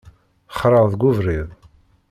Xraɣ deg ubrid.